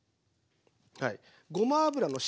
はい。